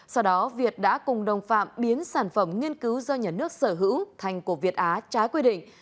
sau đó việt đã cùng đồng phạm biến sản phẩm nghiên cứu do nhà nước sở hữu thành của việt á trái quy định